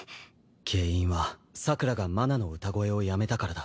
原因はさくらが麻奈の歌声をやめたからだ。